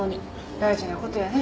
大事なことやね。